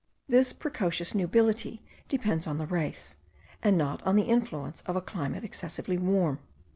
This precocious nubility depends on the race, and not on the influence of a climate excessively warm.